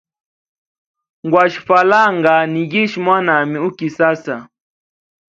Ngwashe falanga, nigishe mwanami u kisasa.